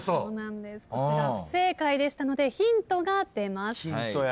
こちら不正解でしたのでヒントが出ます。